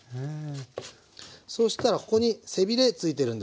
そうしたらここに背ビレついてるんですよ。